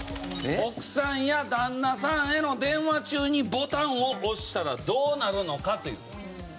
奥さんや旦那さんへの電話中にボタンを押したらどうなるのかという。